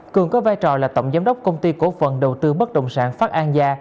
cường có vai trò là tổng giám đốc công ty cổ phần đầu tư bất động sản phát an gia